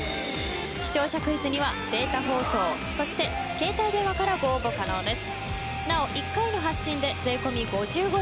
視聴者クイズにはデータ放送そして携帯電話からご応募可能です。